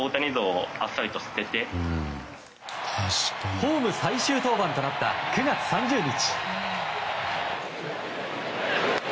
ホーム最終登板となった９月３０日。